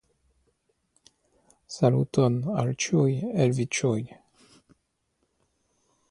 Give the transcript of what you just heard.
Saluton al ĉiuj el vi ĉiuj!